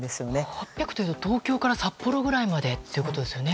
８００というと東京から札幌ぐらいまでですよね。